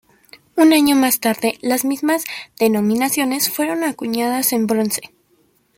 Un año más tarde, las mismas denominaciones fueron acuñadas en bronce.